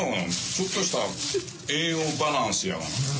ちょっとした栄養バランスやがな。